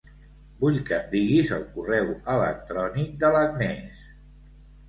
Vull que em diguis el correu electrònic de l'Agnès.